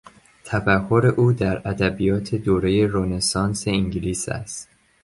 تبحر او در ادبیات دورهی رنسانس انگلیس است.